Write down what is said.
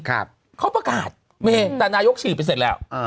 เขาประกาศมีแต่นายกฉีดไปเสร็จแล้วอ่า